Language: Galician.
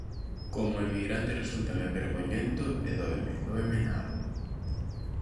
Como emigrante resúltame vergoñento e dóeme, dóeme na alma.